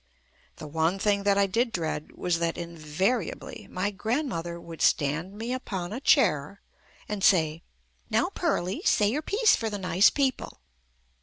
The one thing that I did dread was that invariably my grandmother would stand me upon a chair and say "Now Pearly, say your piece for the nice people."